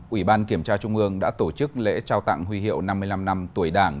ủy ban kiểm tra trung ương đã tổ chức lễ trao tặng huy hiệu năm mươi năm năm tuổi đảng